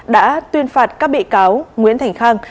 đã tuyên phạt các bị cáo nguyễn thành khang